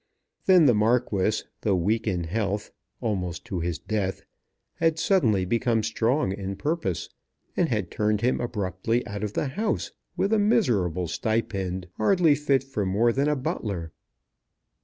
Then the Marquis, though weak in health, almost to his death, had suddenly become strong in purpose, and had turned him abruptly out of the house with a miserable stipend hardly fit for more than a butler!